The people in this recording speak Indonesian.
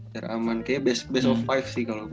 biar aman kayaknya best of lima sih kalo gue